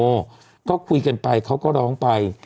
เบอร์ตเค้าคุยกันไปเค้าก็ร้องไป